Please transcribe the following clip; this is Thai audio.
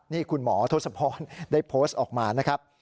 นี่คุณหมอทศพรได้โพสต์ออกมานะครับ